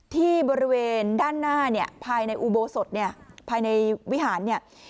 ที่บริเวณด้านหน้าเนี่ยภายในอุโบสถเนี่ยภายในวิหารเนี่ย